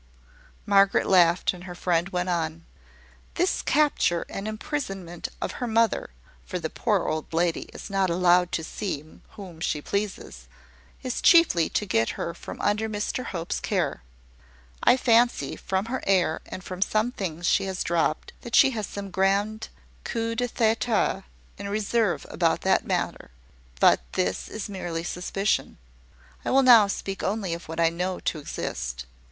Margaret laughed; and her friend went on "This capture and imprisonment of her mother (for the poor old lady is not allowed to see whom she pleases) is chiefly to get her from under Mr Hope's care. I fancy, from her air, and from some things she has dropped, that she has some grand coup de theatre in reserve about that matter; but this is merely suspicion: I will now speak only of what I know to exist.